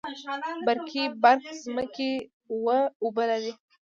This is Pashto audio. برکي برک ځمکې اوبه لري؟